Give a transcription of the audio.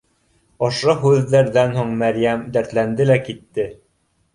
Ошо һүҙҙәрҙән һуң Мәрйәм дәртләнде лә китте